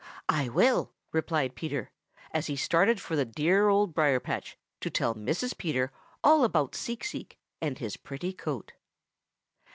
"I will," replied Peter, as he started for the dear Old Briar patch to tell Mrs. Peter all about Seek Seek and his pretty coat.